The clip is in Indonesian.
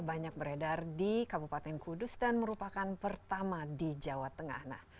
banyak beredar di kabupaten kudus dan merupakan pertama di jawa tengah